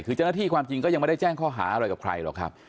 คือเจ้าหน้าที่ความจริงก็ยังไม่ได้แจ้งข้อหาอะไรกับใครหรอกครับ